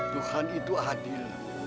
tuhan itu adil